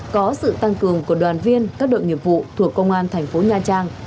có sự tăng cường của đoàn viên các đội nghiệp vụ thuộc công an thành phố nha trang